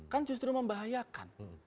kan justru membahayakan